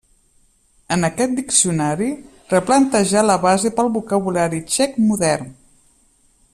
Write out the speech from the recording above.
En aquest diccionari, replantejà la base pel vocabulari txec modern.